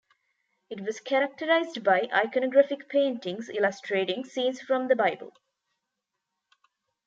It was characterised by iconographic paintings illustrating scenes from the bible.